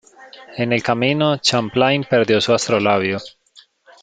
En el camino, Champlain perdió su astrolabio.